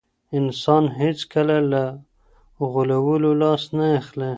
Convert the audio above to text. انسان هیڅکله له غولولو لاس نه اخلي.